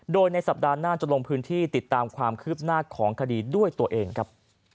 โดยในสัปดาห์หน้าจะลงพื้นที่ติดตามความคืบหน้าของคดีด้วยตัวเองครับ